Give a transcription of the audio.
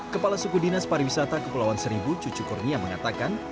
kepala suku dinas pariwisata kepulauan seribu cucu kurnia mengatakan